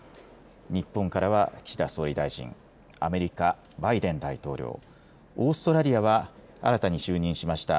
日本からは岸田総理大臣、アメリカ、バイデン大統領、オーストラリアは新たに就任しました